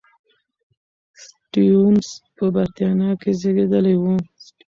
سټيونز په بریتانیا کې زېږېدلی و.